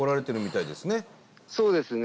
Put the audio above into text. そうですね。